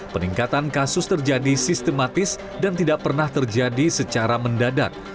peningkatan kasus terjadi sistematis dan tidak pernah terjadi secara mendadak